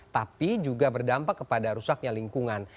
tapi juga berdampak kepada rusaknya lingkungan